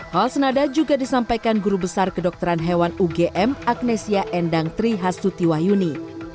hal senada juga disampaikan guru besar kedokteran hewan ugm agnesia endang trihasuti wahyuni